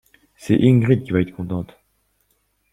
C’est Ingrid qui va être contente!